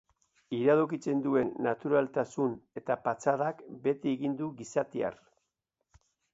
Iradokitzen duen naturaltasun eta patxadak beti egin du gizatiar.